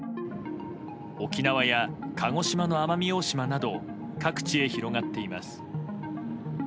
沖縄や鹿児島の奄美大島など各地へ広がっています。